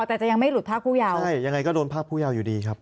แต่จะยังไม่หลุดพระพู่เยาว์